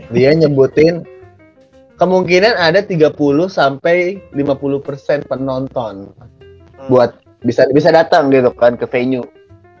dia nyebutin kemungkinan ada tiga puluh sampai lima puluh persen penonton buat bisa datang gitu kan ke venue